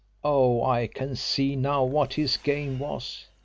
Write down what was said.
Oh, I can see now what his game was.